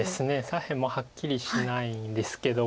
左辺もはっきりしないんですけど。